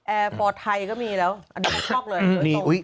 แอร์ฟอร์ไทยก็มีแล้วอันนี้ชอบเลย